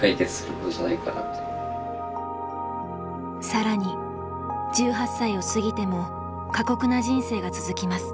更に１８歳を過ぎても過酷な人生が続きます。